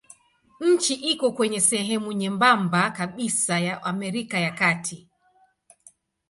Nchi iko kwenye sehemu nyembamba kabisa ya Amerika ya Kati.